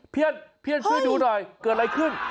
เพื่อนช่วยดูหน่อยเกิดอะไรขึ้น